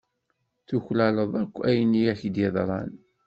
Tuklaleḍ akk ayen i ak-yeḍran.